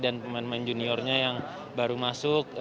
pemain pemain juniornya yang baru masuk